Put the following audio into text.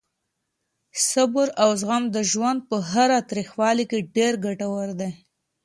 صبر او زغم د ژوند په هره تریخوالې کې ډېر ګټور دي.